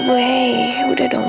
ibu sayang sekali sama kamu